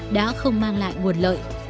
đã không mang lại nguồn lợi